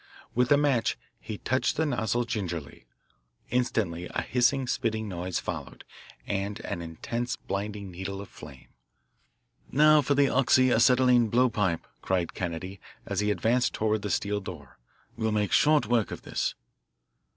With a match he touched the nozzle gingerly. Instantly a hissing, spitting noise followed, and an intense blinding needle of flame. "Now for the oxy acetylene blowpipe," cried Kennedy as he advanced toward the steel door. "We'll make short work of this."